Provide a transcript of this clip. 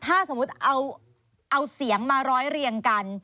ถ้าสมมุติเอาเสียงมาร้อยเรียงกัน